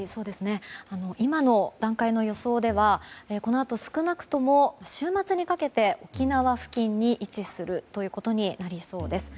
今の段階の予想ではこのあと少なくとも週末にかけて沖縄付近に位置することになりそうです。